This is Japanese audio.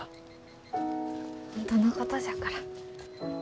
本当のことじゃから。